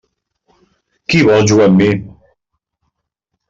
Qui vol jugar amb mi?